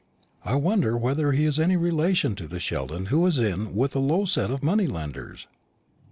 "I wonder whether he is any relation to the Sheldon who is in with a low set of money lenders?"